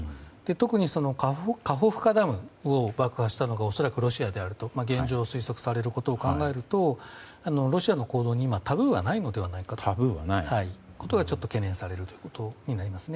特にカホフカダムを爆破したのが恐らくロシアであると現状推測されることを考えるとロシアの行動にはタブーはないのではないかということが懸念されることになりますね。